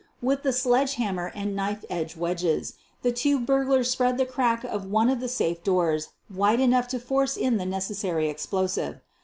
With the sledge hammer and knife edged wedges the two burglars spread the crack of one of the safe doors wide enough to force in the necessary explosive.